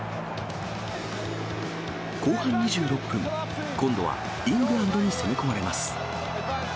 後半２６分、今度はイングランドに攻め込まれます。